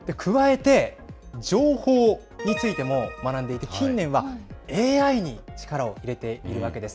加えて、情報についても学んでいて、近年はＡＩに力を入れているわけです。